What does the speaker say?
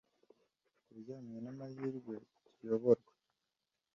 kubijyanye n'amahirwe tuyoborwa